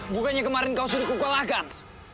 bukannya kemarin kau sudah kukalahkan